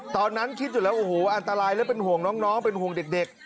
ตอนนั้นคิดอยู่แล้วโอ้โหอันตรายและเป็นห่วงน้องเป็นห่วงเด็ก